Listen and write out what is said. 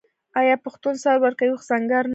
آیا پښتون سر ورکوي خو سنګر نه؟